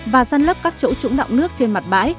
và dân lấp các chỗ trũng động nước trên mặt bãi